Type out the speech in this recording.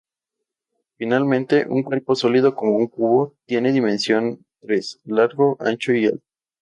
Finalmente, un cuerpo sólido, como un cubo, tiene dimensión tres: largo, ancho y alto.